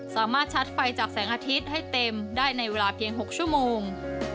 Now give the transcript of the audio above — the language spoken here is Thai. ชัดไฟจากแสงอาทิตย์ให้เต็มได้ในเวลาเพียง๖ชั่วโมง